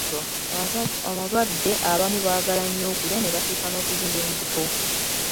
Abalwadde abamu baagala nnyo okulya ne batuuka n’okuzimba embuto.